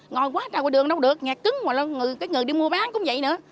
ngồi quá trời qua đường đâu có được ngạc cứng người đi mua bán cũng vậy nữa